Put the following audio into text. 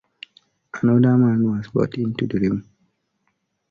Another man was brought into the room.